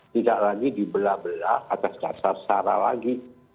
tidak lagi dibela bela atas dasar dasar lagi